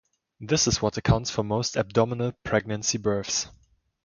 This is what accounts for most abdominal pregnancy births.